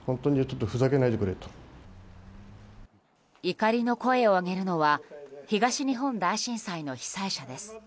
怒りの声を上げるのは東日本大震災の被災者です。